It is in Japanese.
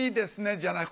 じゃなく